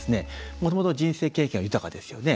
もともと人生経験が豊かですよね。